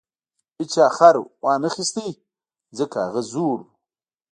هیچا خر ونه خیست ځکه هغه زوړ و.